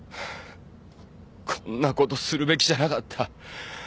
こんなことするべきじゃなかった。